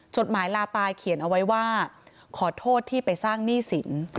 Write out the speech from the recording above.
จดหมายลาตายเขียนเอาไว้ว่าขอโทษที่ไปสร้างหนี้สิน